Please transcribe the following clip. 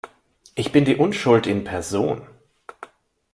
Ich bin die Unschuld in Person!